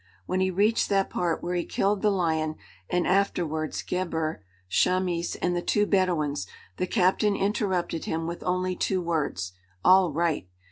When he reached that part where he killed the lion and afterwards Gebhr, Chamis, and the two Bedouins, the captain interrupted him with only two words: "All right!"